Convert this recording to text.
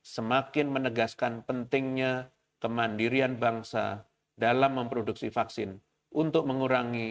semakin menegaskan pentingnya kemandirian bangsa dalam memproduksi vaksin untuk mengurangi